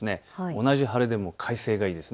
同じ晴れでも快晴がいいです。